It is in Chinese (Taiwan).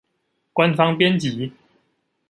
官方編輯